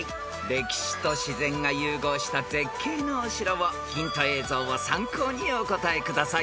［歴史と自然が融合した絶景のお城をヒント映像を参考にお答えください］